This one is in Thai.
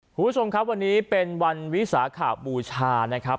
คุณผู้ชมครับวันนี้เป็นวันวิสาขบูชานะครับ